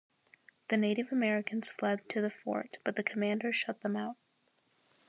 The Native Americans fled to the fort, but the commander shut them out.